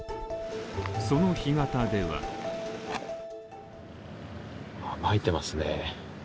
その干潟ではまいてますね。